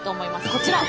こちら。